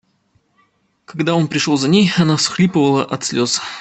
Когда он пришел за ней, она всхлипывала от слез.